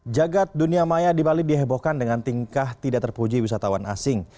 jagad dunia maya di bali dihebohkan dengan tingkah tidak terpuji wisatawan asing